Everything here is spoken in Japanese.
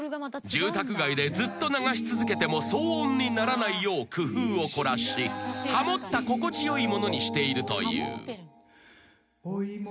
［住宅街でずっと流し続けても騒音にならないよう工夫を凝らしハモった心地よいものにしているという］